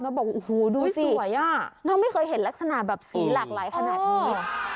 แล้วบอกโอ้โหดูสิน้องไม่เคยเห็นลักษณะแบบสีหลากหลายขนาดนี้